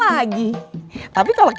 maghrib pasti setengah jam lagi